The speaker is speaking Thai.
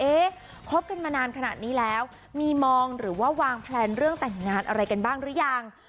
คบกันมานานขนาดนี้แล้วมีมองหรือว่าวางแพลนเรื่องแต่งงานอะไรกันบ้างหรือยัง